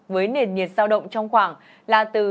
với nền nhiệt sao động trong khoảng là ba mươi độ